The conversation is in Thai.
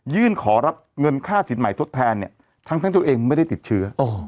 ขอรับเงินค่าสินใหม่ทดแทนเนี่ยทั้งตัวเองไม่ได้ติดเชื้อ